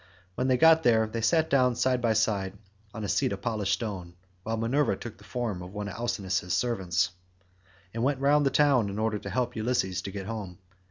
When they got there they sat down side by side on a seat of polished stone, while Minerva took the form of one of Alcinous' servants, and went round the town in order to help Ulysses to get home.